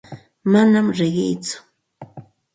Manam riqiitsu.